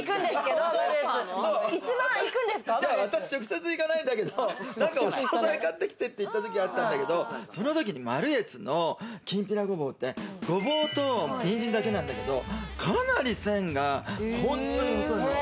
私、直接行かないんだけれども、お総菜買ってきてって言ったときあったんだけれども、そのときにマルエツのきんぴらごぼうって、ごぼうと人参だけなんだけど、かなり線が本当に細いの。